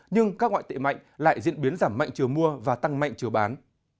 nhưng các ngoại tệ mạnh lại diễn biến giảm mạnh chừa mua và tăng mạnh chừa bán